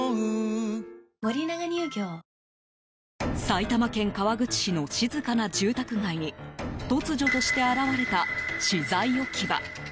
埼玉県川口市の静かな住宅街に突如として現れた資材置き場。